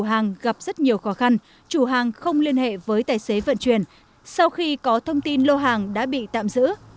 hàng gặp rất nhiều khó khăn chủ hàng không liên hệ với tài xế vận chuyển sau khi có thông tin lô hàng đã bị tạm giữ